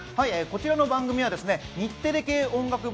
こちらの番組は日テレ系音楽